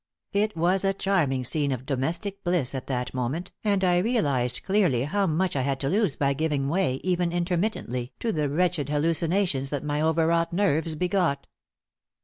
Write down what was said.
It was a charming scene of domestic bliss at that moment, and I realized clearly how much I had to lose by giving way, even intermittently, to the wretched hallucinations that my overwrought nerves begot.